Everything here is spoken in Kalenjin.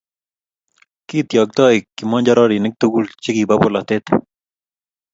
Kityoktoi kimonjororinik tugul chekibo polotet